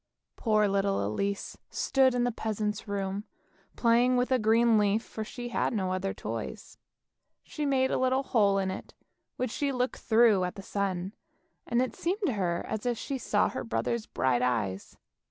Poor little Elise stood in the peasant's room, playing with a green leaf, for she had no other toys. She made a little hole in it, which she looked through at the sun, and it seemed to her as if she saw her brothers' bright eyes.